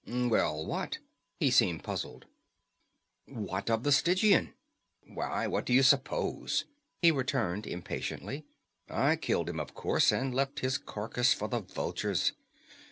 "Well what?" He seemed puzzled. "What of the Stygian?" "Why, what do you suppose?" he returned impatiently. "I killed him, of course, and left his carcass for the vultures.